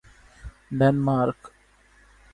Denmark